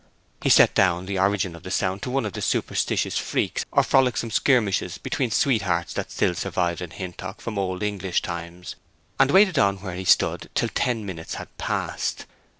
He set down the origin of the sound to one of the superstitious freaks or frolicsome scrimmages between sweethearts that still survived in Hintock from old English times; and waited on where he stood till ten minutes had passed.